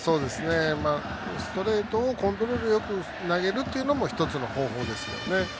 ストレートをコントロールよく投げるというのも一つの方法ですよね。